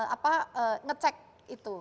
apa ngecek itu